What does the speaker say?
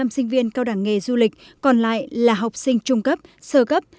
một trăm linh sinh viên cao đẳng nghề du lịch còn lại là học sinh trung cấp sơ cấp